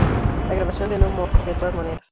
La grabación de "No More", de todas maneras.